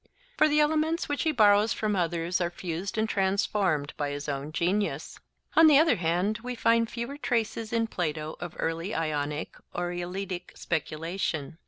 For the elements which he borrows from others are fused and transformed by his own genius. On the other hand we find fewer traces in Plato of early Ionic or Eleatic speculation.